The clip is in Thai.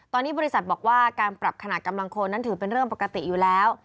ตอนนี้บริษัทบอกว่าการปรับขนาดกำลังโคนนั้นถือเป็นเรื่องปกติอยู่แล้ว